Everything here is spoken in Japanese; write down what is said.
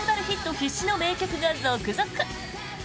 必至の名曲が続々！